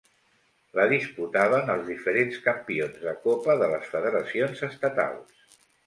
La disputaven els diferents campions de copa de les federacions estatals.